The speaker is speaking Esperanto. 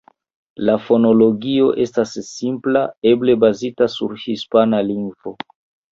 La fonologio estas simpla, eble bazita sur hispana lingvo.